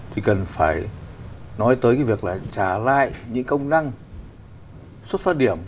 thì cần phải nói tới cái việc là trả lại những công năng xuất phát điểm